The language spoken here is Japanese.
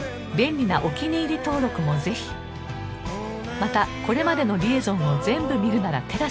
またこれまでの『リエゾン』を全部見るなら ＴＥＬＡＳＡ で